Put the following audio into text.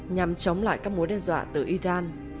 nhằm chống lại các mối đe dọa từ iran